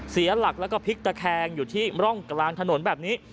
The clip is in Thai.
เสียหลักแล้วก็พลิกตะแคงอยู่ที่ร่องกลางถนนแบบนี้